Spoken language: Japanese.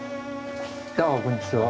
ああこんにちは。